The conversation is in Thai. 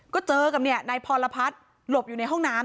ก็เจอกับนายพรพัฒน์หลบอยู่ในห้องน้ำ